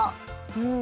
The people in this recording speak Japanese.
うん。